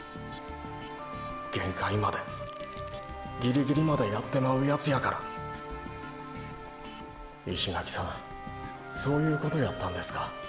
限界までギリギリまでやってまうヤツやから石垣さんそういうことやったんですか。